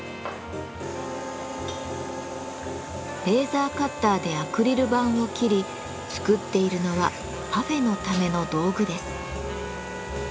レーザーカッターでアクリル板を切り作っているのはパフェのための道具です。